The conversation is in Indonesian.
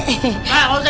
nah mau saya dibantuin